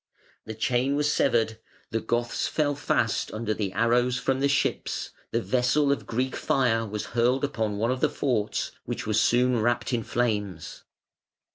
The chain was severed, the Goths fell fast under the arrows from the ships, the vessel of "Greek fire" was hurled upon one of the forts, which was soon wrapped in flames.